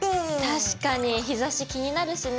確かに日ざし気になるしね。